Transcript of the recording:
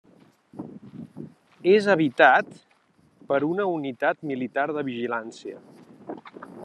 És habitat per una unitat militar de vigilància.